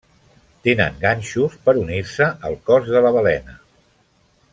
Tenen ganxos per unir-se al cos de la balena.